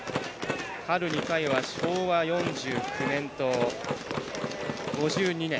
春２回は昭和４９年と５２年。